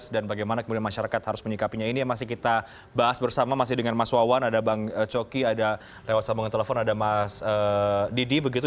dan bagaimana kemudian masyarakat harus menyikapinya ini masih kita bahas bersama masih dengan mas wawan ada bang coki ada lewat sambungan telepon ada mas didi begitu